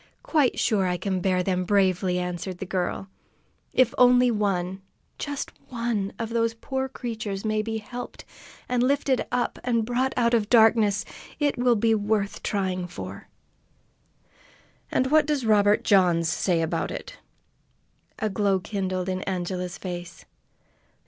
"Quite sure I can bear them bravely," answered the girl. "If only one, just one, of those poor creatures may be helped, and lifted up, and brought out of darkness, it will be worth trying for!" "And what does Robert Johns say about it?" A glow kindled in Angela's face.